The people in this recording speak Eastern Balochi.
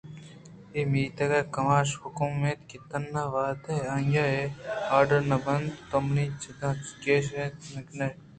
اے میتگ ءِ کماش ءِحکم اِنت تنا وہدے آئی ءِ آرڈر نہ بنت تو من ءَ چداں کشّ اِت نہ کنئے